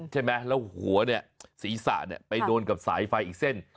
ใช่ไหมแล้วหัวเนี่ยศีรษะไปโดนกับสายไฟอีกเส้น